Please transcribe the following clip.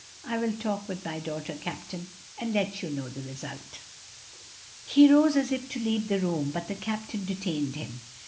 "I will talk with my daughter, captain, and let you know the result." He rose as if to leave the room, but the captain detained him.